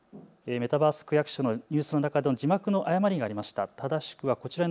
メタバース区役所のニュースの中での字幕の誤りがありました。